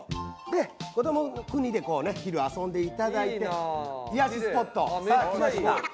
でこどもの国で昼遊んで頂いて癒やしスポットさあ来ました。